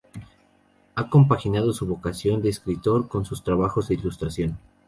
Ha compaginado su vocación de escritor con sus trabajos de ilustración.